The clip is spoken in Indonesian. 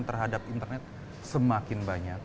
terhadap internet semakin banyak